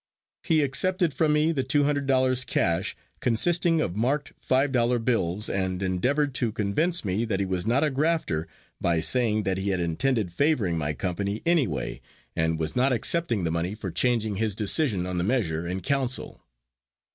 He accepted from me the two hundred dollars cash consisting of marked five dollar bills, and endeavored to convince me that he was not a grafter by saying that he had intended favoring my company anyway and was not accepting the money for changing his decision on the measure in council.